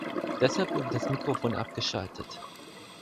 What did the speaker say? Deshalb wurde das Mikrofon abgeschaltet.